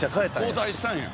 交代したんや。